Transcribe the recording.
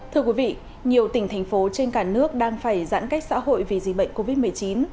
thưa quý vị nhiều tỉnh thành phố trên cả nước đang phải giãn cách xã hội vì dịch bệnh covid một mươi chín